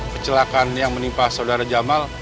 kecelakaan yang menimpa saudara jamal